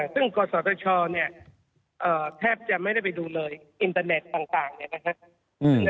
ซึ่งกฎศรชน์แทบจะไม่ได้ไปดูเลยอินเทอร์เน็ตต่างนะครับ